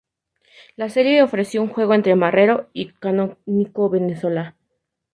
La serie ofreció un juego entre Marrero y Canónico de Venezuela.